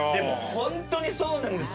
ホントにそうなんです。